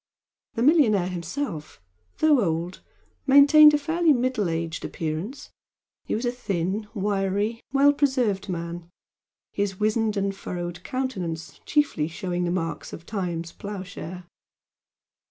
The millionaire himself, though old, maintained a fairly middle aged appearance he was a thin, wiry, well preserved man, his wizened and furrowed countenance chiefly showing the marks of Time's ploughshare.